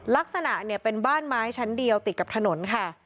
ลักษณะเนี่ยเป็นบ้านไม้ชั้นเดียวติดกับถนนค่ะ